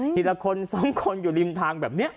เทียระคน๒คนอยู่ริมทางแบบเนี้ย